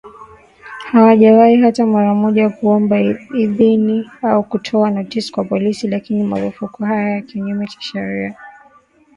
Hawajawahi hata mara moja kuomba idhini au kutoa notisi kwa polisi, lakini marufuku haya ya kinyume cha sharia yanatolewa dhidi yetu.